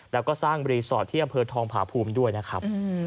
แล้วก็สร้างรีสอร์ทที่อำเภอทองผาภูมิด้วยนะครับ